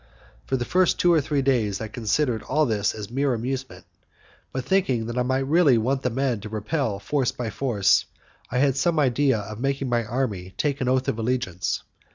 For the first two or three days I considered all this as mere amusement, but, thinking that I might really want the men to repel force by force, I had some idea of making my army take an oath of allegiance.